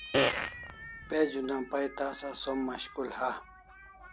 Page una pai tasa som mashkul ha